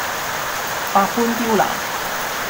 百般刁難